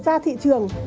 ra thị trường